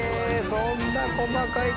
そんな細かいとこ。